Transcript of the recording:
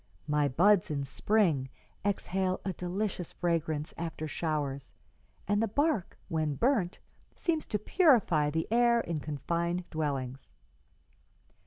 My buds in spring exhale a delicious fragrance after showers, and the bark, when burnt, seems to purify the air in confined dwellings.'